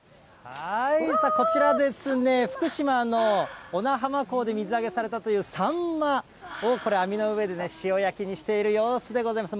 こちらですね、福島の小名浜港で水揚げされたというサンマを、これ、網の上で塩焼きにしている様子でございます。